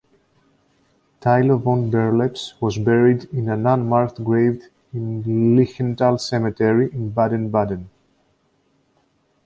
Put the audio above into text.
Tilo von Berlepsch was buried in an unmarked grave in Lichtental cemetery, in Baden-Baden.